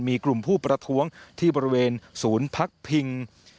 มีกลุ่มผู้ประท้วงที่บริเวณศูนย์พักพิง